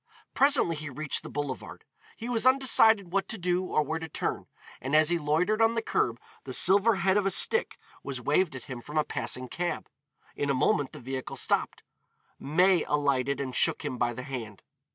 Presently he reached the boulevard. He was undecided what to do or where to turn, and as he loitered on the curb the silver head of a stick was waved at him from a passing cab; in a moment the vehicle stopped. May alighted and shook him by the hand.